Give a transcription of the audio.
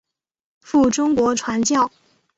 赴中国传教。